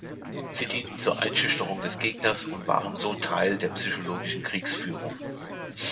Sie dienten zur Einschüchterung des Gegners und waren so Teil der psychologischen Kriegsführung.